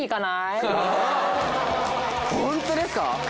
ホントですか？